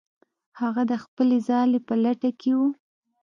هغه د خپلې ځالې په لټه کې و.